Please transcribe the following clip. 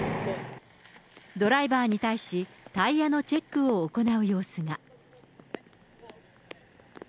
ドライバーに対し、タイヤのチェックを行う様子が。